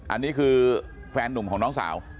อันนี้คือแฟนนุ่มของน้องสาว